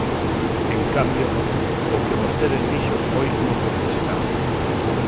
En cambio, o que vostede fixo foi non contestar.